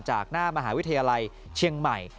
จากหน้ามหาวิทยาลัยเชียงใหม่